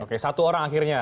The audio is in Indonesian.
oke satu orang akhirnya